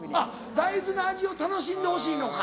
大豆の味を楽しんでほしいのか。